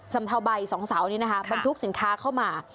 เทาใบ๒เสานี้นะคะบรรทุกสินค้าเข้ามา